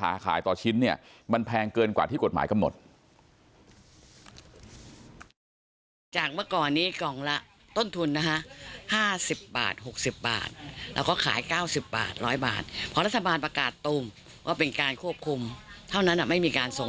อ่าทีนี้จะมีคาราวารไป